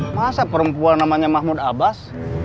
masa perempuan namanya mahmud abbas